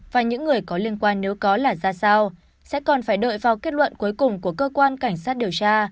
và những người có liên quan nếu có là ra sao sẽ còn phải đợi vào kết luận cuối cùng của cơ quan cảnh sát điều tra